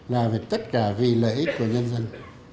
là về tất cả vì lợi ích của nhân dân